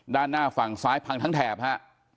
ด้านหน้าฝั่งซ้ายพังทั้งแถบฮะ